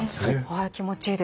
はい気持ちいいです。